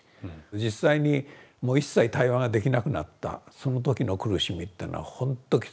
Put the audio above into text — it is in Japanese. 実際にもう一切対話ができなくなったその時の苦しみっていうのはほんときつくてですね。